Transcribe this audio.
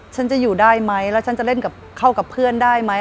ฉันจะอยู่ได้ไหมแล้วฉันจะเล่นเข้ากับเพื่อนได้ไหม